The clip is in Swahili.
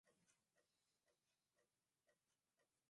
Maji yamemwagika